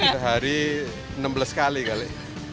sehari enam belas kali kali